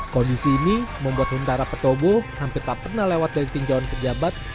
kondisi ini membuat huntara petobo hampir tak pernah lewat dari tinjauan pejabat